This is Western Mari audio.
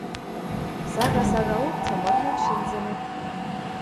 сага-сагаок цымырнен шӹнзӹнӹт.